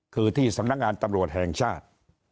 คือที่สำนักงานตำรวจแห่งชาติ